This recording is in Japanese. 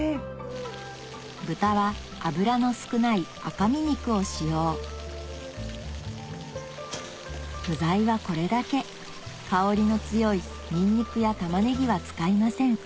豚は脂の少ない赤身肉を使用具材はこれだけ香りの強いニンニクや玉ねぎは使いません